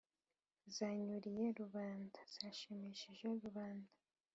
Zanyuriye Rubanda: Zashimishije Rubanda.